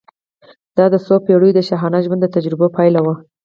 دا د څو پېړیو د شاهانه ژوند د تجربو پایله وه.